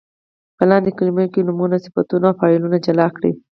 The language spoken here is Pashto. په لاندې کلمو کې نومونه، صفتونه او فعلونه جلا کړئ.